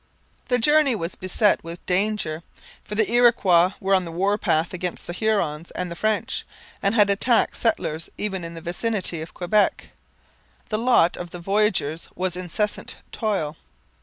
The journey was beset with danger, for the Iroquois were on the war path against the Hurons and the French, and had attacked settlers even in the vicinity of Quebec. The lot of the voyagers was incessant toil.